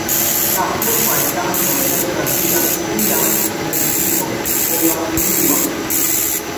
La sekvaj kantoj elradias plian memfidon, ol la unua.